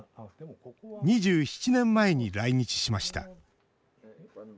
２７年前に来日しました。